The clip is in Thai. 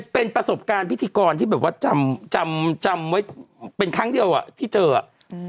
เป็นประสบการณ์พิธีกรที่แบบว่าจำจำไว้เป็นครั้งเดียวอ่ะที่เจออ่ะอืม